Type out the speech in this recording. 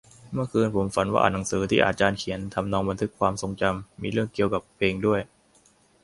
เมื่อคืนผมฝันว่าอ่านหนังสือที่อาจารย์เขียน ทำนองบันทึกความทรงจำ มีเรื่องเกี่ยวกับเพลงด้วย